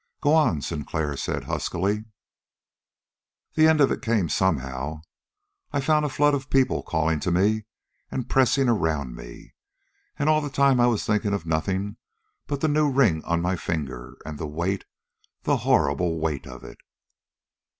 "Go on," Sinclair said huskily. "The end of it came somehow. I found a flood of people calling to me and pressing around me, and all the time I was thinking of nothing but the new ring on my finger and the weight the horrible weight of it!